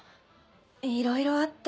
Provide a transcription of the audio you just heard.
いろいろあって。